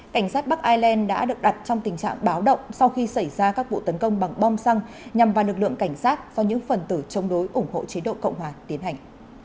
cảnh sát bắc ireland đã được đặt trong tình trạng báo động sau khi xảy ra các vụ tấn công bằng bom xăng nhằm vào lực lượng cảnh sát do những phần tử chống đối ủng hộ chế độ cộng hòa tiến hành